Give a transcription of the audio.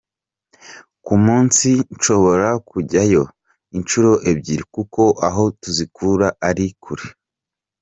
Ku munsi nshobora kujyayo inshuro ibyiri kuko aho tuzikura ari kure.